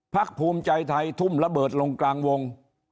ภูมิใจไทยทุ่มระเบิดลงกลางวง